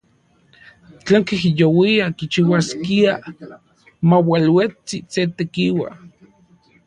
Tlen kijyouia kichiuaskia maualuetsi se tekiua.